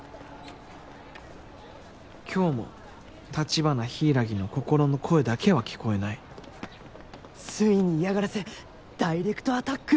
今日も橘柊の心の声だけは聞こえないついに嫌がらせダイレクトアタック？